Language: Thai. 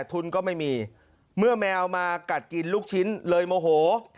ทุนก็ไม่มีเมื่อแมวมากัดกินลูกชิ้นเลยโมโห